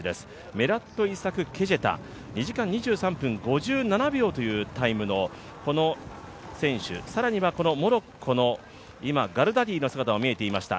メラットイサク・ケジェタ２時間２３分５７秒というタイムのこの選手、更にはモロッコのガルダディ選手も見えていました。